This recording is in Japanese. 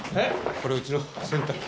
これうちの洗濯機。